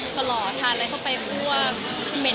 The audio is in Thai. แล้วก็ริ้นทางใก้ทานอะไรเนี่ยแยะไม่ร้อยเลย